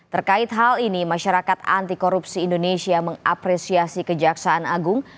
terkait hal ini masyarakat anti korupsi indonesia mengapresiasi kejaksaan agung